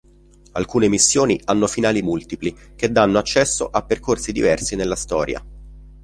Alcune missioni hanno finali multipli che danno accesso a percorsi diversi nella storia.